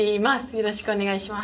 よろしくお願いします。